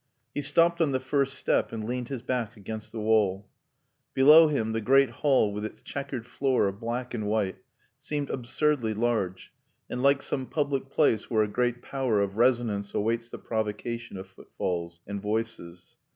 He stopped on the first step and leaned his back against the wall. Below him the great hall with its chequered floor of black and white seemed absurdly large and like some public place where a great power of resonance awaits the provocation of footfalls and voices.